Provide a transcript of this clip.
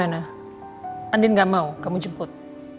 andien sudah suka kamu jemput